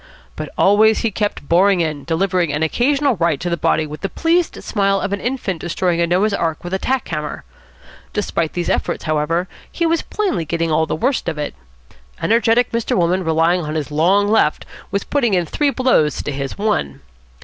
But always he kept boring in, delivering an occasional right to the body with the pleased smile of an infant destroying a Noah's Ark with a tack hammer. Despite these efforts, however, he was plainly getting all the worst of it. Energetic Mr. Wolmann, relying on his long left, was putting in three blows to his one.